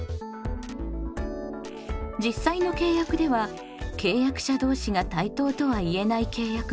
実際の契約では契約者同士が対等とはいえない契約も多くあります。